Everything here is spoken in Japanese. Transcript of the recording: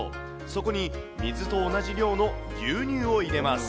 そこに水と同じ量の牛乳を入れます。